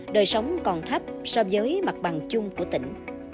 đời sống còn thấp so với mặt bằng chung của tỉnh